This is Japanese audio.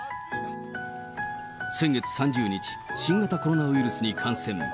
先月３０日、新型コロナウイルスに感染。